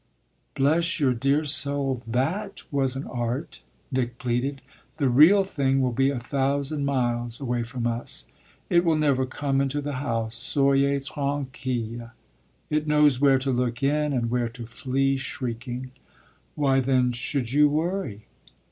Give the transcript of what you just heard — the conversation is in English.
"Bless your dear soul, that wasn't art," Nick pleaded. "The real thing will be a thousand miles away from us; it will never come into the house, soyez tranquille. It knows where to look in and where to flee shrieking. Why then should you worry?"